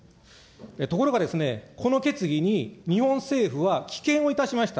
ところが、この決議に日本政府は棄権をいたしました。